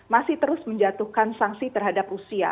masih terus menjatuhkan sanksi terhadap rusia